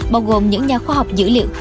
bao gồm những nhà khoa học dữ liệu